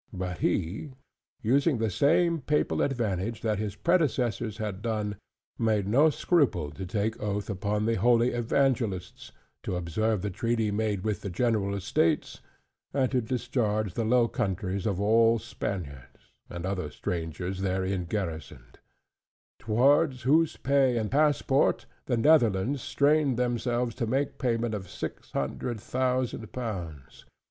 But he, using the same papal advantage that his predecessors had done, made no scruple to take oath upon the Holy Evangelists, to observe the treaty made with the General States; and to discharge the Low Countries of all Spaniards, and other strangers therein garrisoned: towards whose pay and passport, the Netherlands strained themselves to make payment of six hundred thousand pounds.